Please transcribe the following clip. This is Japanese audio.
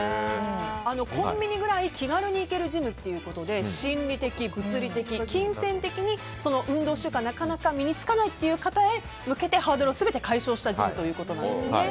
コンビニくらい気軽に行けるジムということで心理的、物理的、金銭的にその運動習慣、なかなか身に着かないという方へ向けてハードルを全て解消したジムということです。